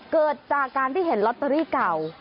เกิดจากการที่เห็นลอตเตอรี่เก่า